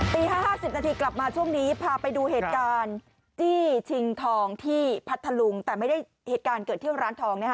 ตี๕๕๐นาทีกลับมาช่วงนี้พาไปดูเหตุการณ์จี้ชิงทองที่พัทธลุงแต่ไม่ได้เหตุการณ์เกิดที่ร้านทองนะฮะ